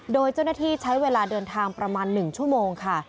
โดยเจ้าหน้าที่ใช้เวลาเดินทางประมาณ๑ชั่วโมงค่ะ